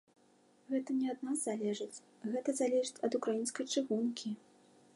Гэта не ад нас залежыць, гэта залежыць ад украінскай чыгункі.